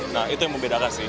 nah itu yang membedakan sih